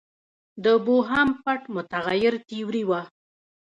د بوهم پټ متغیر تیوري وه.